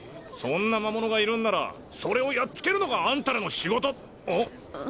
そんな魔物がいるんならそれをやっつけるのがあんたらの仕事あっ？